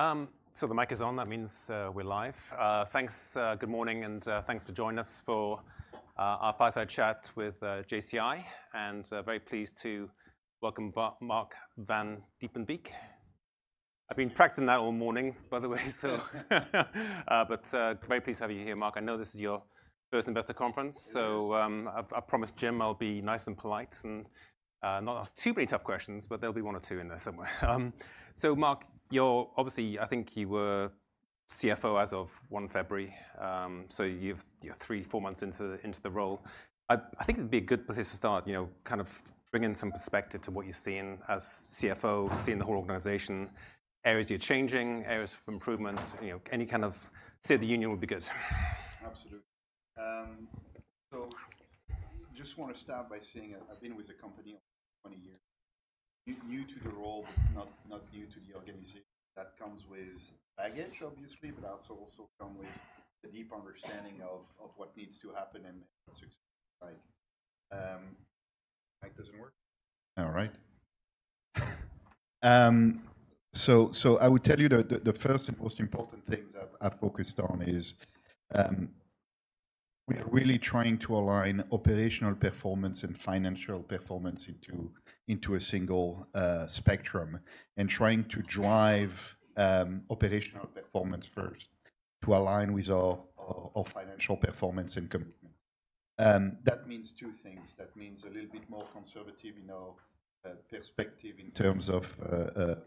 Great. So the mic is on, that means we're live. Thanks, good morning, and thanks to join us for our fireside chat with JCI. And very pleased to welcome Marc Vandiepenbeeck. I've been practicing that all morning, by the way, so but very pleased to have you here, Marc. I know this is your first investor conference- It is. So, I promised Jim I'll be nice and polite and not ask too many tough questions, but there'll be one or two in there somewhere. So Marc, you're obviously, I think you were CFO as of 1 February. So you're three, four months into the role. I think it'd be a good place to start, you know, kind of bring in some perspective to what you've seen as CFO, seen the whole organization, areas you're changing, areas for improvements. You know, any kind of state of the union would be good. Absolutely. So just wanna start by saying I've been with the company for 20 years. New to the role, but not new to the organization. That comes with baggage, obviously, but also come with a deep understanding of what needs to happen and success. Mic doesn't work? All right. So I would tell you the first and most important things I've focused on is, we are really trying to align operational performance and financial performance into a single spectrum. And trying to drive operational performance first to align with our financial performance and commitment. That means two things. That means a little bit more conservative in our perspective in terms of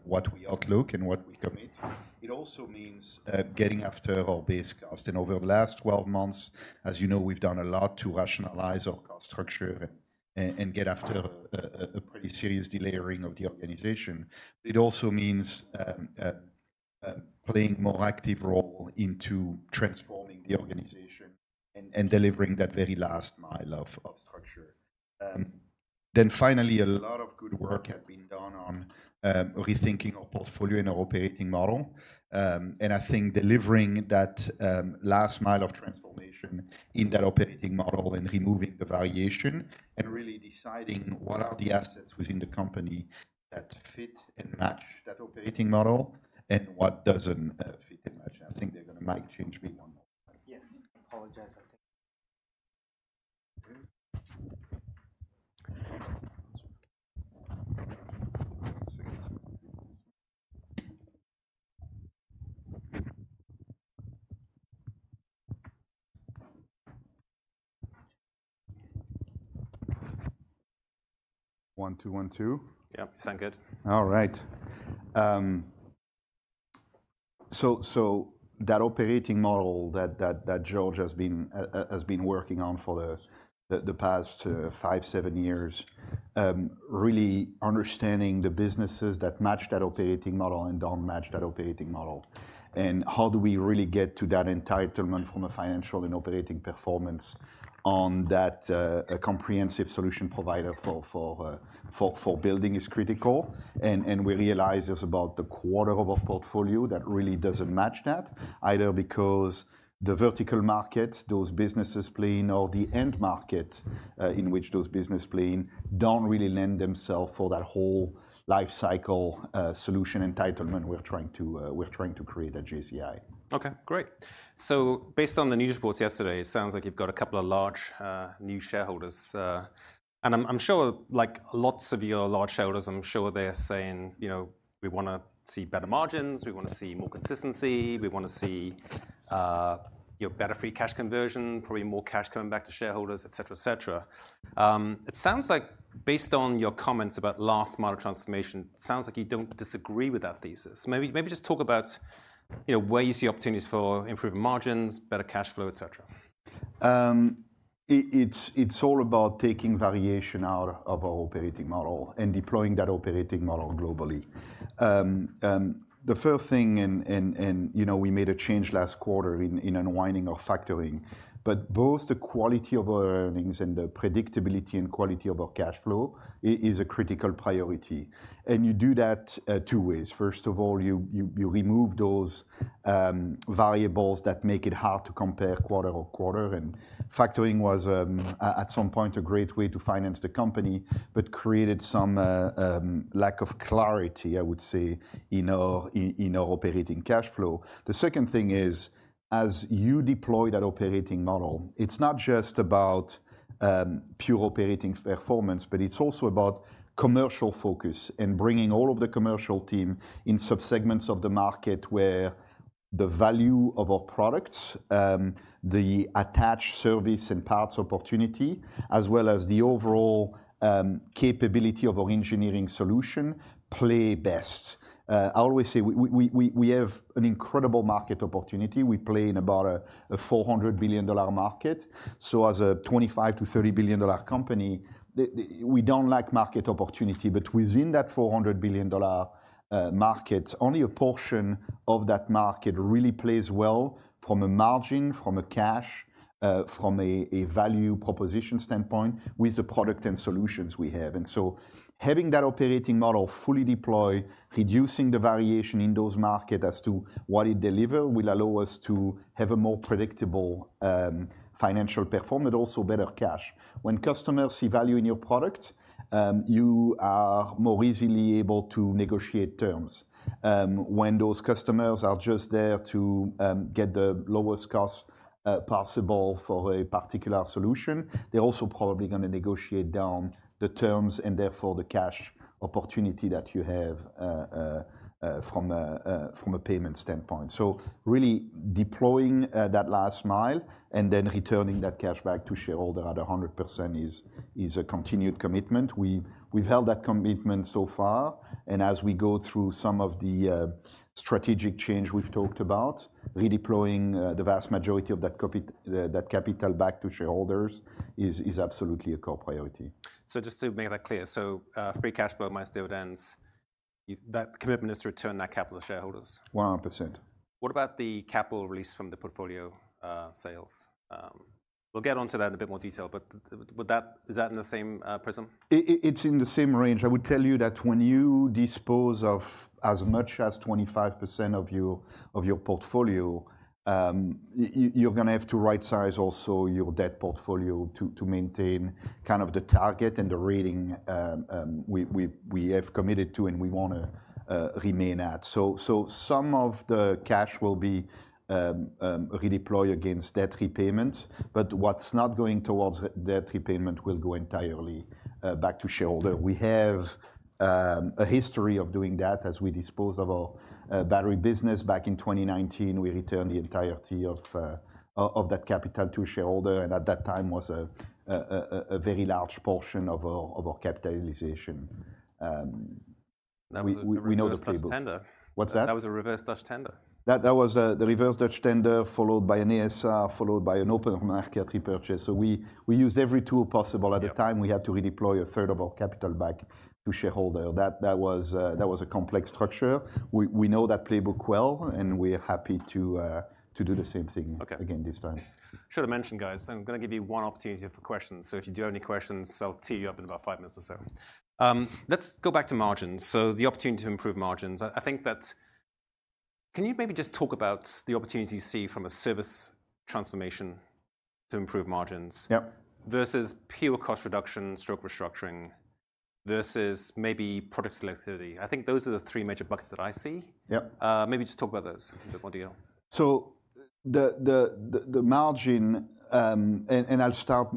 what we outlook and what we commit. It also means getting after our base cost. Over the last 12 months, as you know, we've done a lot to rationalize our cost structure and get after a pretty serious delayering of the organization. It also means playing a more active role into transforming the organization and delivering that very last mile of structure. Finally, a lot of good work had been done on rethinking our portfolio and our operating model. And I think delivering that last mile of transformation in that operating model and removing the variation, and really deciding what are the assets within the company that fit and match that operating model, and what doesn't fit and match. I think they're gonna mic change me one more time. Yes. Apologize. I think... 1, 2, 1, 2. Yep, sound good. All right. So that operating model that George has been working on for the past 5-7 years, really understanding the businesses that match that operating model and don't match that operating model. And how do we really get to that entitlement from a financial and operating performance on that, a comprehensive solution provider for building is critical. And we realize it's about a quarter of our portfolio that really doesn't match that, either because the vertical markets those businesses play, or the end market in which those businesses play, don't really lend themselves for that whole life cycle solution entitlement we're trying to create at JCI. Okay, great. So based on the news reports yesterday, it sounds like you've got a couple of large new shareholders. And I'm sure, like lots of your large shareholders, I'm sure they're saying, you know, "We wanna see better margins, we wanna see more consistency, we wanna see better free cash conversion, probably more cash coming back to shareholders," et cetera, et cetera. It sounds like based on your comments about last mile of transformation, sounds like you don't disagree with that thesis. Maybe, maybe just talk about, you know, where you see opportunities for improving margins, better cash flow, et cetera. It's all about taking variation out of our operating model and deploying that operating model globally. The first thing, you know, we made a change last quarter in unwinding our factoring, but both the quality of our earnings and the predictability and quality of our cash flow is a critical priority, and you do that two ways. First of all, you remove those variables that make it hard to compare quarter-over-quarter. And factoring was, at some point, a great way to finance the company, but created some lack of clarity, I would say, in our operating cash flow. The second thing is, as you deploy that operating model, it's not just about pure operating performance, but it's also about commercial focus and bringing all of the commercial team in subsegments of the market where the value of our products, the attached service and parts opportunity, as well as the overall capability of our engineering solution, play best. I always say we have an incredible market opportunity. We play in about a $400 billion market. So as a $25-$30 billion company, we don't lack market opportunity. But within that $400 billion market, only a portion of that market really plays well from a margin, from a cash, from a value proposition standpoint with the product and solutions we have. And so having that operating model fully deployed, reducing the variation in those market as to what it deliver, will allow us to have a more predictable, financial performance, but also better cash. When customers see value in your product, you are more easily able to negotiate terms. When those customers are just there to get the lowest cost possible for a particular solution, they're also probably gonna negotiate down the terms, and therefore the cash opportunity that you have from a payment standpoint. So really deploying that last mile and then returning that cash back to shareholder at 100% is a continued commitment. We've held that commitment so far, and as we go through some of the strategic change we've talked about, redeploying the vast majority of that capital back to shareholders is absolutely a core priority. Just to make that clear, so, free cash flow minus dividends?... that commitment is to return that capital to shareholders? 100%. What about the capital release from the portfolio sales? We'll get onto that in a bit more detail, but would that, is that in the same prism? It's in the same range. I would tell you that when you dispose of as much as 25% of your portfolio, you're gonna have to rightsize also your debt portfolio to maintain kind of the target and the rating we have committed to and we want to remain at. So some of the cash will be redeployed against debt repayment, but what's not going towards debt repayment will go entirely back to shareholder. We have a history of doing that as we disposed of our battery business back in 2019. We returned the entirety of that capital to shareholder, and at that time was a very large portion of our capitalization. We know the playbook. That was a reverse Dutch tender. What's that? That was a reverse Dutch tender. That was the reverse Dutch tender, followed by an ASR, followed by an open market repurchase. So we used every tool possible- Yep. At the time, we had to redeploy a third of our capital back to shareholder. That was a complex structure. We know that playbook well, and we're happy to do the same thing- Okay... again, this time. Should have mentioned, guys, I'm gonna give you one opportunity for questions. So if you do have any questions, I'll tee you up in about five minutes or so. Let's go back to margins. So the opportunity to improve margins. I think that... Can you maybe just talk about the opportunities you see from a service transformation to improve margins? Yep. Versus pure cost reduction/restructuring, versus maybe product selectivity? I think those are the three major buckets that I see. Yep. Maybe just talk about those in a bit more detail. So the margin, and I'll start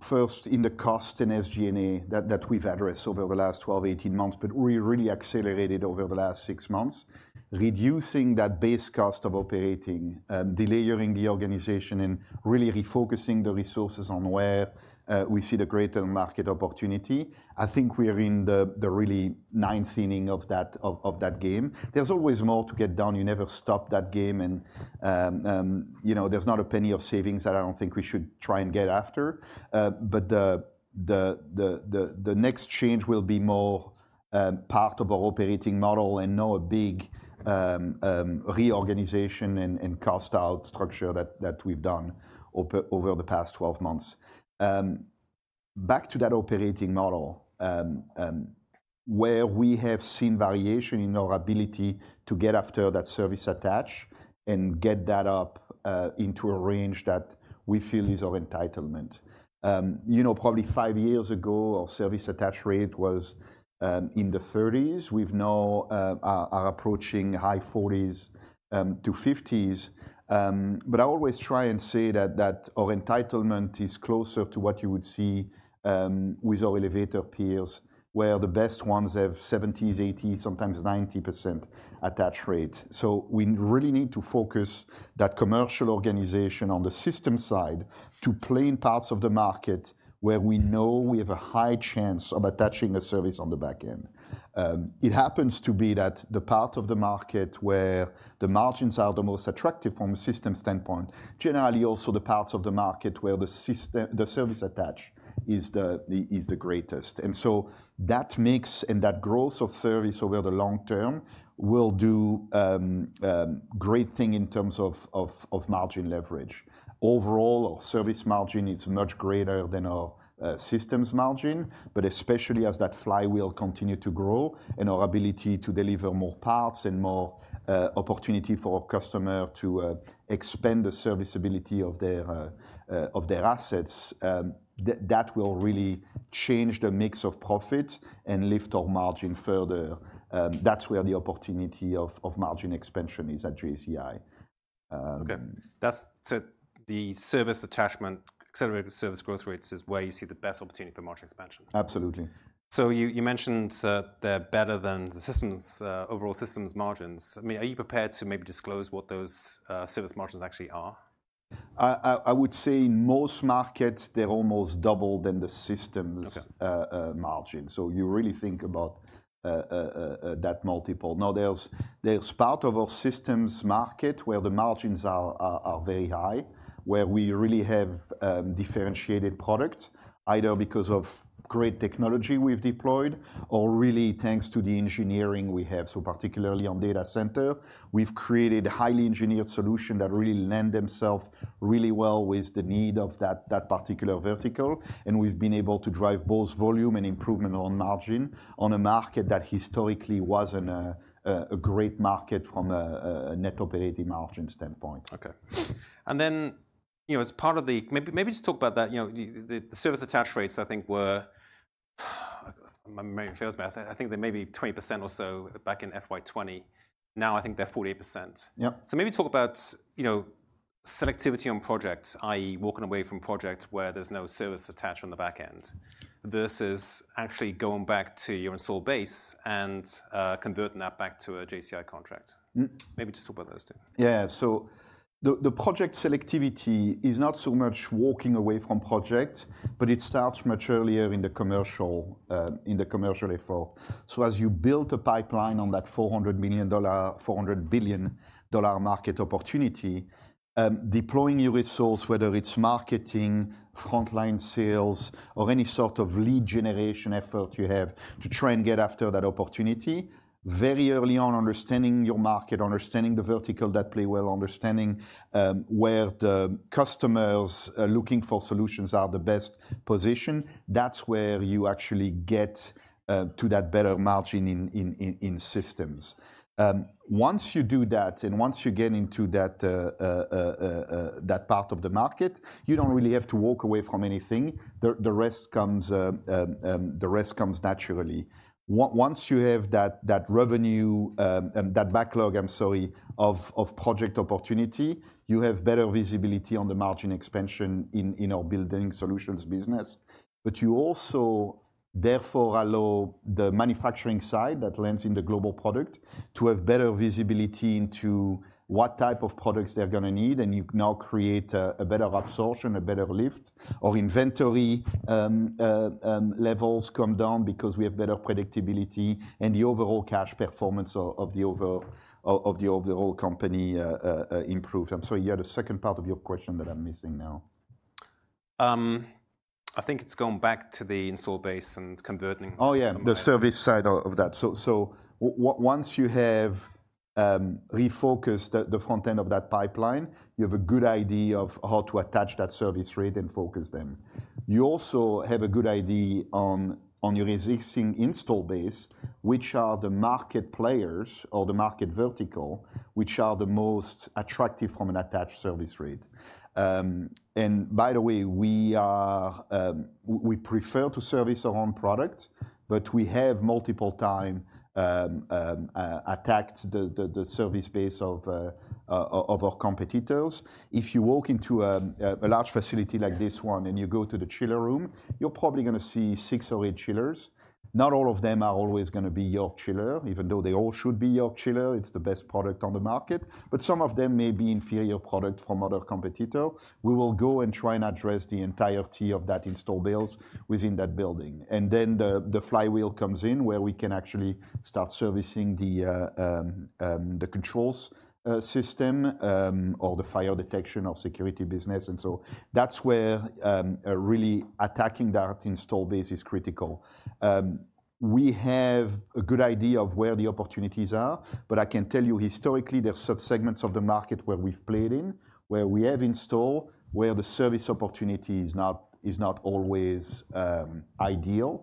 first in the cost and SG&A that we've addressed over the last 12, 18 months, but we really accelerated over the last 6 months, reducing that base cost of operating, delayering the organization, and really refocusing the resources on where we see the greater market opportunity. I think we are in the really ninth inning of that game. There's always more to get done. You never stop that game, and you know, there's not a penny of savings that I don't think we should try and get after. But the next change will be more part of our operating model and not a big reorganization and cost-out structure that we've done over the past 12 months. Back to that operating model, where we have seen variation in our ability to get after that service attach and get that up into a range that we feel is our entitlement. You know, probably 5 years ago, our service attach rate was in the 30s. We're now approaching high 40s-50s. But I always try and say that our entitlement is closer to what you would see with our elevator peers, where the best ones have 70s, 80s, sometimes 90% attach rate. So we really need to focus that commercial organization on the system side to play in parts of the market where we know we have a high chance of attaching a service on the back end. It happens to be that the part of the market where the margins are the most attractive from a systems standpoint, generally also the parts of the market where the service attach is the, is the greatest. And so that mix and that growth of service over the long term will do great thing in terms of, of margin leverage. Overall, our service margin is much greater than our systems margin, but especially as that flywheel continue to grow and our ability to deliver more parts and more opportunity for our customer to expand the serviceability of their, of their assets, that will really change the mix of profit and lift our margin further. That's where the opportunity of margin expansion is at JCI. Okay, that's... So the service attachment, accelerated service growth rates, is where you see the best opportunity for margin expansion? Absolutely. So you mentioned they're better than the systems overall systems margins. I mean, are you prepared to maybe disclose what those service margins actually are? I would say in most markets, they're almost double than the systems- Okay... margin. So you really think about that multiple. Now, there's part of our systems market where the margins are very high, where we really have differentiated products, either because of great technology we've deployed or really thanks to the engineering we have. So particularly on data center, we've created a highly engineered solution that really lend themselves really well with the need of that particular vertical, and we've been able to drive both volume and improvement on margin on a market that historically wasn't a great market from a net operating margin standpoint. Okay. And then, you know, as part of the... Maybe, maybe just talk about that, you know, the service attach rates I think were, my memory fails me. I think they may be 20% or so back in FY 2020. Now, I think they're 48%. Yep. So maybe talk about, you know, selectivity on projects, i.e., walking away from projects where there's no service attached on the back end, versus actually going back to your installed base and converting that back to a JCI contract. Mm. Maybe just talk about those two. Yeah, so the project selectivity is not so much walking away from project, but it starts much earlier in the commercial effort. So as you build a pipeline on that $400 million, $400 billion market opportunity, deploying your resource, whether it's marketing, frontline sales, or any sort of lead generation effort you have to try and get after that opportunity, very early on, understanding your market, understanding the vertical that play well, understanding where the customers are looking for solutions are the best position, that's where you actually get to that better margin in systems. Once you do that, and once you get into that part of the market, you don't really have to walk away from anything. The rest comes naturally. Once you have that revenue, that backlog, I'm sorry, of project opportunity, you have better visibility on the margin expansion in our Building Solutions business. But you also therefore allow the manufacturing side that lends in the Global Products to have better visibility into what type of products they're gonna need, and you now create a better absorption, a better lift, or inventory levels come down because we have better predictability, and the overall cash performance of the overall company improves. I'm sorry, you had a second part of your question that I'm missing now. I think it's going back to the install base and converting- Oh, yeah, the service side of that. So once you have refocused the front end of that pipeline, you have a good idea of how to attach that service rate and focus then. You also have a good idea on your existing install base, which are the market players or the market vertical, which are the most attractive from an attached service rate. And by the way, we are, we prefer to service our own product, but we have multiple time attacked the service base of our competitors. If you walk into a large facility like this one, and you go to the chiller room, you're probably gonna see 6 or 8 chillers. Not all of them are always gonna be York chiller, even though they all should be York chiller. It's the best product on the market. But some of them may be inferior product from other competitor. We will go and try and address the entirety of that install base within that building, and then the flywheel comes in, where we can actually start servicing the controls system or the fire detection or security business, and so that's where really attacking that install base is critical. We have a good idea of where the opportunities are, but I can tell you historically, there are sub-segments of the market where we've played in, where we have installed, where the service opportunity is not always ideal.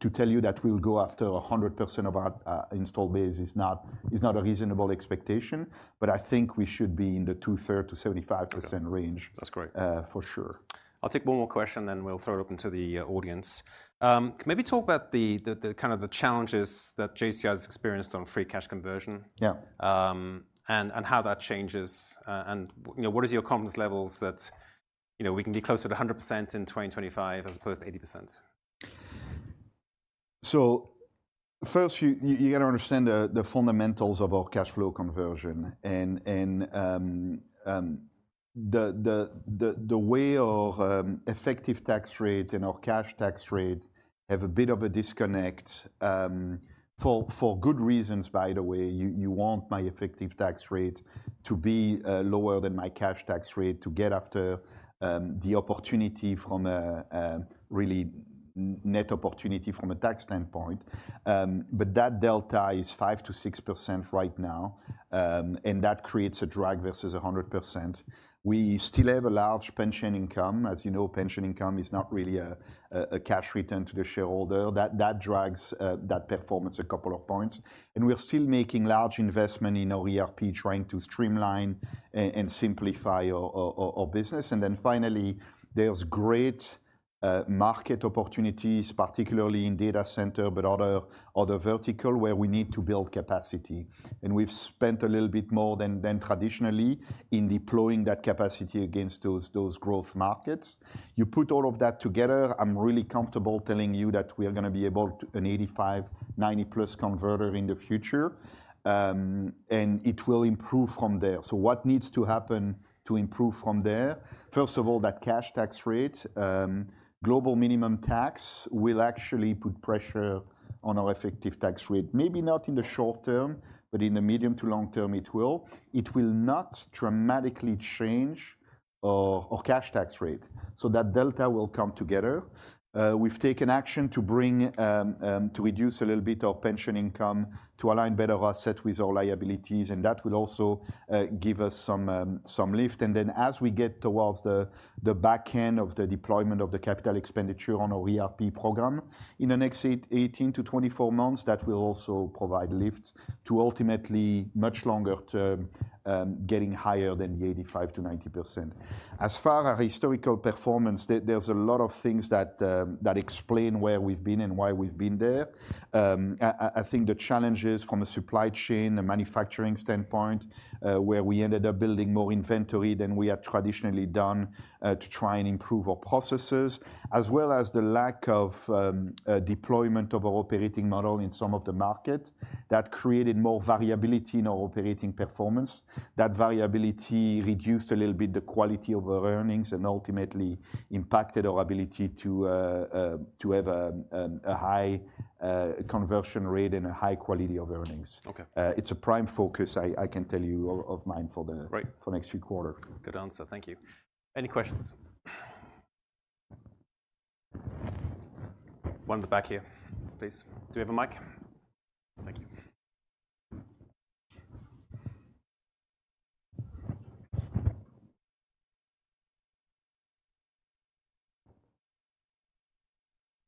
To tell you that we'll go after 100% of our install base is not, is not a reasonable expectation, but I think we should be in the two-thirds to 75% range- That's great... for sure. I'll take one more question, then we'll throw it open to the audience. Can maybe talk about the kind of challenges that JCI has experienced on free cash conversion? Yeah... and how that changes, and you know, what is your confidence levels that, you know, we can be closer to 100% in 2025 as opposed to 80%? So first, you gotta understand the fundamentals of our cash flow conversion, and the way our effective tax rate and our cash tax rate have a bit of a disconnect, for good reasons, by the way. You want my effective tax rate to be lower than my cash tax rate to get after the opportunity from a really net opportunity from a tax standpoint. But that delta is 5%-6% right now, and that creates a drag versus 100%. We still have a large pension income. As you know, pension income is not really a cash return to the shareholder. That drags that performance a couple of points, and we're still making large investment in our ERP, trying to streamline and simplify our business. Then finally, there's great market opportunities, particularly in data center, but other vertical, where we need to build capacity, and we've spent a little bit more than traditionally in deploying that capacity against those growth markets. You put all of that together, I'm really comfortable telling you that we are gonna be about an 85-90+ converter in the future. And it will improve from there. So what needs to happen to improve from there? First of all, that cash tax rate, global minimum tax will actually put pressure on our effective tax rate. Maybe not in the short term, but in the medium to long term, it will. It will not dramatically change or cash tax rate. So that delta will come together. We've taken action to bring to reduce a little bit of pension income to align better our asset with our liabilities, and that will also give us some lift. And then as we get towards the back end of the deployment of the capital expenditure on our ERP program in the next 18-24 months, that will also provide lift to ultimately much longer term, getting higher than the 85%-90%. As far as historical performance, there's a lot of things that explain where we've been and why we've been there. I think the challenges from a supply chain and manufacturing standpoint, where we ended up building more inventory than we had traditionally done, to try and improve our processes, as well as the lack of deployment of our operating model in some of the markets, that created more variability in our operating performance. That variability reduced a little bit the quality of our earnings and ultimately impacted our ability to have a high conversion rate and a high quality of earnings. Okay. It's a prime focus, I can tell you, of mine for the- Right.... for next three quarters. Good answer. Thank you. Any questions? One at the back here, please. Do we have a mic? Thank you.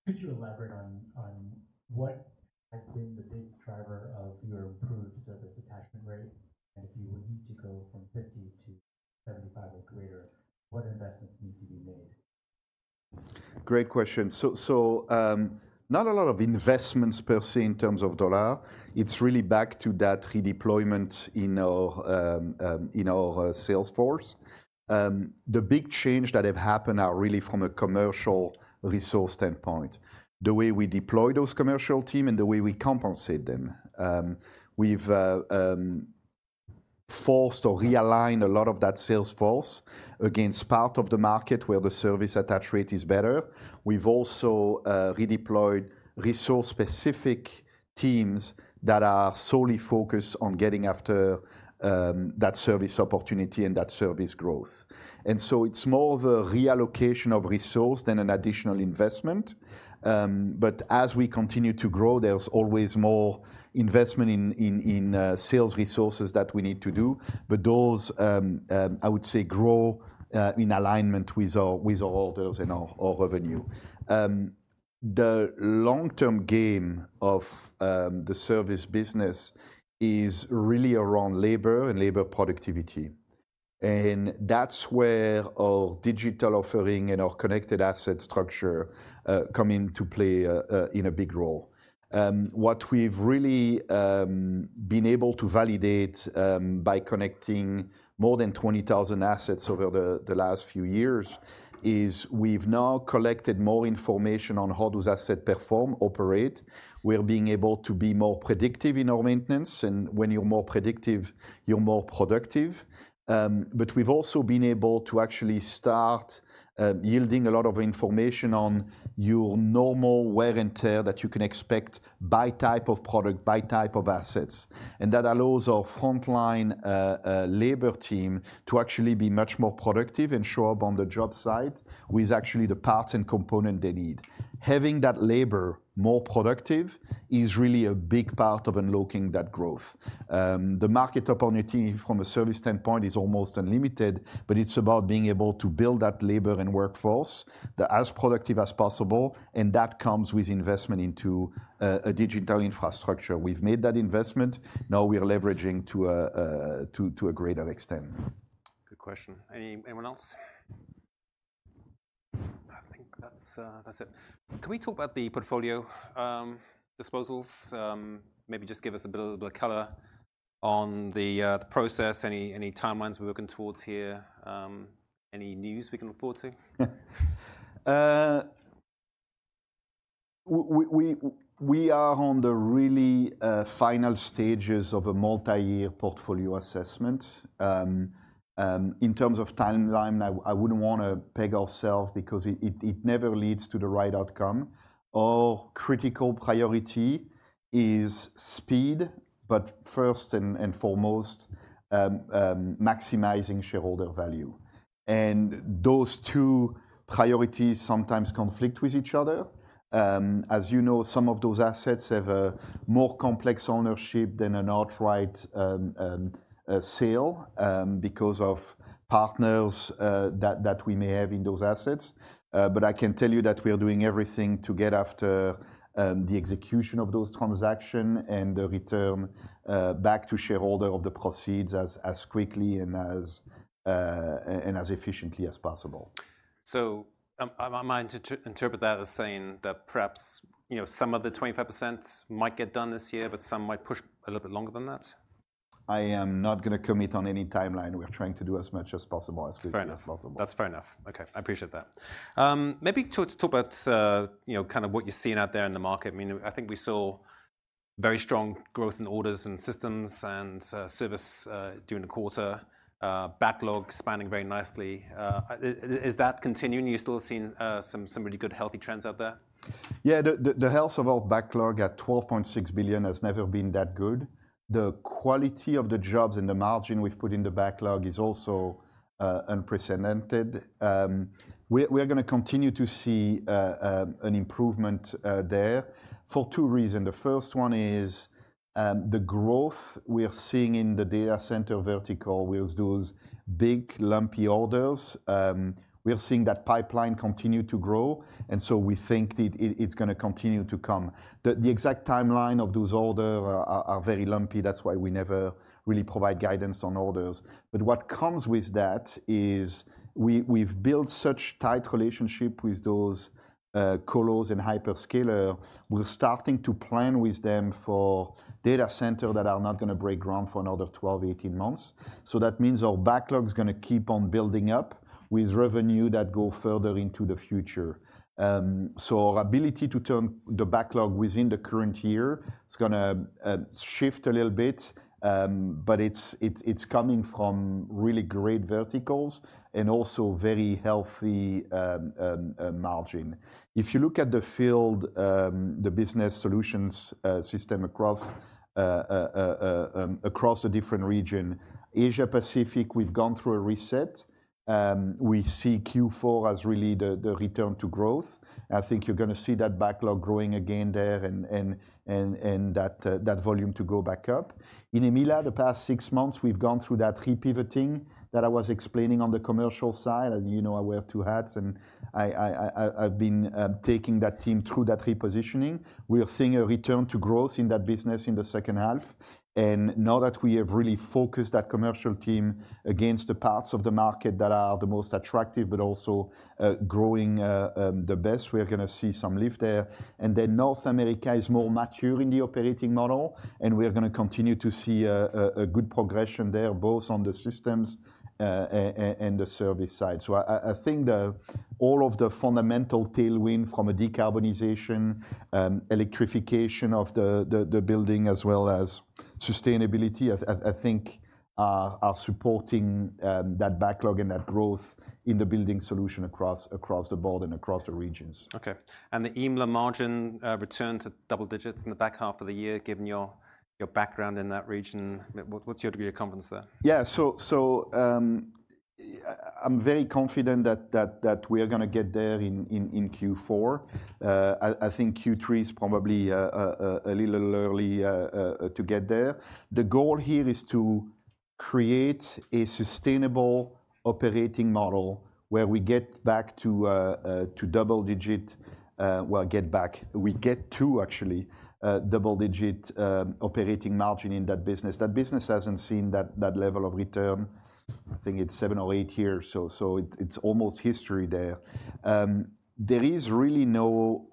Could you elaborate on what has been the big driver of your improved service attachment rate, and if you would need to go from 50 to 75 or greater, what investments need to be made? Great question. So, not a lot of investments per se, in terms of dollar. It's really back to that redeployment in our sales force. The big change that have happened are really from a commercial resource standpoint, the way we deploy those commercial team and the way we compensate them. We've forced or realigned a lot of that sales force against part of the market where the service attach rate is better. We've also redeployed resource-specific teams that are solely focused on getting after that service opportunity and that service growth. And so it's more the reallocation of resource than an additional investment. But as we continue to grow, there's always more investment in sales resources that we need to do. But those, I would say, grow in alignment with our orders and our revenue. The long-term game of the service business is really around labor and labor productivity, and that's where our digital offering and our connected asset structure come into play in a big role. What we've really been able to validate by connecting more than 20,000 assets over the last few years is we've now collected more information on how those assets perform, operate. We're being able to be more predictive in our maintenance, and when you're more predictive, you're more productive. But we've also been able to actually start yielding a lot of information on your normal wear and tear that you can expect by type of product, by type of assets. That allows our frontline labor team to actually be much more productive and show up on the job site with actually the parts and component they need. Having that labor more productive is really a big part of unlocking that growth. The market opportunity from a service standpoint is almost unlimited, but it's about being able to build that labor and workforce, the as productive as possible, and that comes with investment into a digital infrastructure. We've made that investment, now we are leveraging to a greater extent. Good question. Anyone else? I think that's, that's it. Can we talk about the portfolio, disposals? Maybe just give us a bit, little bit of color on the, the process. Any timelines we're working towards here? Any news we can look forward to? We are on the really final stages of a multi-year portfolio assessment. In terms of timeline, I wouldn't want to peg ourselves because it never leads to the right outcome. Our critical priority is speed, but first and foremost, maximizing shareholder value. Those two priorities sometimes conflict with each other. As you know, some of those assets have a more complex ownership than an outright sale because of partners that we may have in those assets. But I can tell you that we are doing everything to get after the execution of those transactions and the return back to shareholders of the proceeds as quickly and as efficiently as possible. So am I to interpret that as saying that perhaps, you know, some of the 25% might get done this year, but some might push a little bit longer than that? I am not gonna commit on any timeline. We're trying to do as much as possible, as quickly as possible. Fair enough. That's fair enough. Okay, I appreciate that. Maybe talk about, you know, kind of what you're seeing out there in the market. I mean, I think we saw very strong growth in orders and systems and service during the quarter, backlog expanding very nicely. Is that continuing? Are you still seeing some really good healthy trends out there? Yeah, the health of our backlog at $12.6 billion has never been that good. The quality of the jobs and the margin we've put in the backlog is also unprecedented. We're gonna continue to see an improvement there for two reason. The first one is the growth we are seeing in the data center vertical with those big, lumpy orders. We are seeing that pipeline continue to grow, and so we think that it's gonna continue to come. The exact timeline of those order are very lumpy, that's why we never really provide guidance on orders. But what comes with that is we've built such tight relationship with those colos and hyperscalers. We're starting to plan with them for data center that are not gonna break ground for another 12-18 months. So that means our backlog's gonna keep on building up with revenue that go further into the future. So our ability to turn the backlog within the current year is gonna shift a little bit. But it's coming from really great verticals and also very healthy margin. If you look at the field, the Building Solutions system across the different region, Asia Pacific, we've gone through a reset. We see Q4 as really the return to growth. I think you're gonna see that backlog growing again there, and that volume to go back up. In EMEA, the past six months, we've gone through that re-pivoting that I was explaining on the commercial side. As you know, I wear two hats, and I, I've been taking that team through that repositioning. We are seeing a return to growth in that business in the second half, and now that we have really focused that commercial team against the parts of the market that are the most attractive but also, growing the best, we are gonna see some lift there. And then North America is more mature in the operating model, and we are gonna continue to see a good progression there, both on the systems and the service side. So I think all of the fundamental tailwind from a decarbonization, electrification of the building, as well as sustainability, I think, are supporting that backlog and that growth in the Building Solutions across the board and across the regions. Okay, and the EMEA margin return to double digits in the back half of the year, given your background in that region, what's your degree of confidence there? Yeah. So, I'm very confident that we are gonna get there in Q4. I think Q3 is probably a little early to get there. The goal here is to create a sustainable operating model where we get back to double-digit. Well, get back. We get to, actually, double-digit operating margin in that business. That business hasn't seen that level of return, I think it's 7 or 8 years, so it's almost history there. There is really no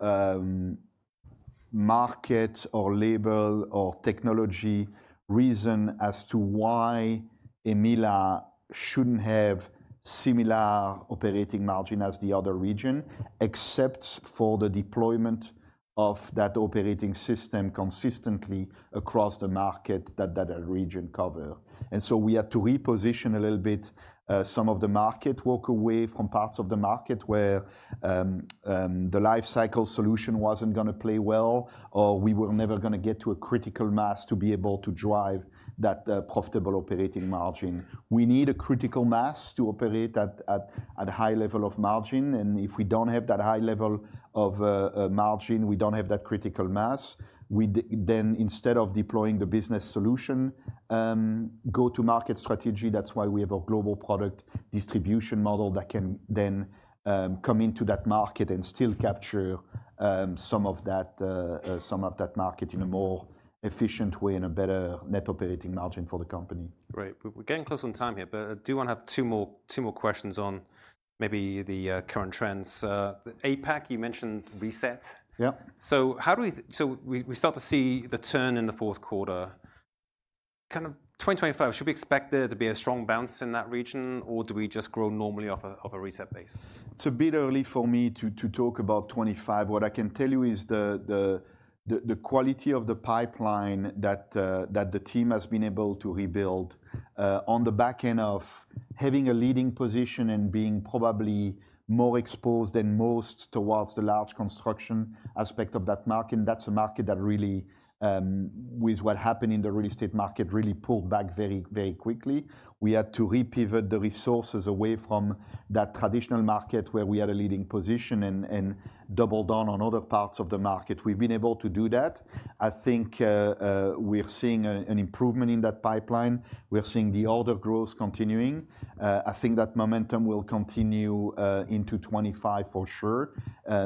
market or label or technology reason as to why EMEA shouldn't have similar operating margin as the other region, except for the deployment of that operating system consistently across the market that region covers. And so we had to reposition a little bit, some of the market, walk away from parts of the market where, the life cycle solution wasn't gonna play well, or we were never gonna get to a critical mass to be able to drive that, profitable operating margin. We need a critical mass to operate at a high level of margin, and if we don't have that high level of, margin, we don't have that critical mass. Then, instead of deploying the business solution, go-to-market strategy, that's why we have a Global Products distribution model that can then, come into that market and still capture, some of that, some of that market in a more efficient way and a better net operating margin for the company. Great. We're getting close on time here, but I do want to have two more, two more questions on maybe the, current trends. The APAC, you mentioned reset. Yeah. So we start to see the turn in the fourth quarter. Kind of 2025, should we expect there to be a strong bounce in that region, or do we just grow normally off a reset base? It's a bit early for me to talk about 2025. What I can tell you is the quality of the pipeline that the team has been able to rebuild on the back end of having a leading position and being probably more exposed than most towards the large construction aspect of that market, and that's a market that really with what happened in the real estate market really pulled back very, very quickly. We had to re-pivot the resources away from that traditional market where we had a leading position and doubled down on other parts of the market. We've been able to do that. I think we're seeing an improvement in that pipeline. We are seeing the order growth continuing. I think that momentum will continue into 2025, for sure.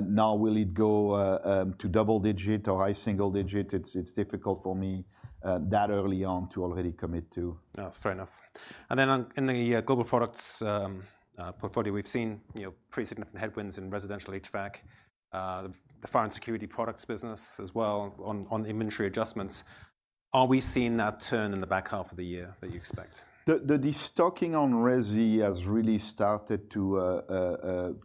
Now, will it go to double digit or high single digit? It's difficult for me that early on to already commit to. No, it's fair enough. And then on in the Global Products portfolio, we've seen, you know, pretty significant headwinds in Residential HVAC, the Fire and Security products business as well, on inventory adjustments. Are we seeing that turn in the back half of the year that you expect? The destocking on resi has really started to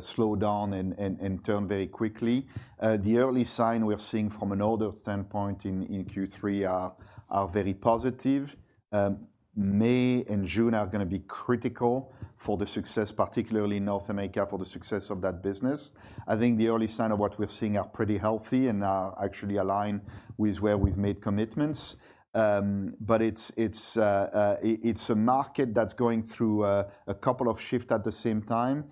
slow down and turn very quickly. The early sign we are seeing from an order standpoint in Q3 are very positive. May and June are gonna be critical for the success, particularly in North America, for the success of that business. I think the early sign of what we're seeing are pretty healthy and actually align with where we've made commitments. But it's a market that's going through a couple of shifts at the same time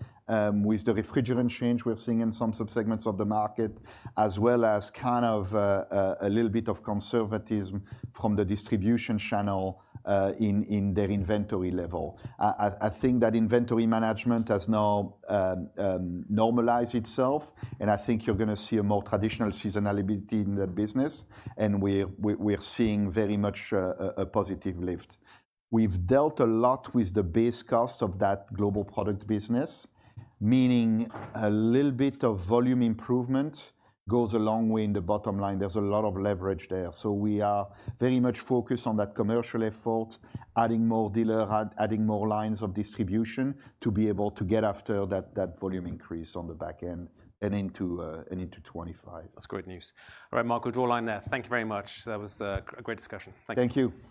with the refrigerant change we're seeing in some subsegments of the market, as well as kind of a little bit of conservatism from the distribution channel in their inventory level. I think that inventory management has now normalized itself, and I think you're gonna see a more traditional seasonality in that business, and we're seeing very much a positive lift. We've dealt a lot with the base cost of that Global Products business, meaning a little bit of volume improvement goes a long way in the bottom line. There's a lot of leverage there, so we are very much focused on that commercial effort, adding more dealers, adding more lines of distribution, to be able to get after that volume increase on the back end and into 2025. That's great news. All right, Marc, we'll draw a line there. Thank you very much. That was a great discussion. Thank you.